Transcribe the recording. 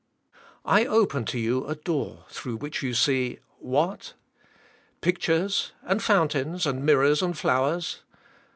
I open to you a door, through which you see what? Pictures and fountains, and mirrors and flowers?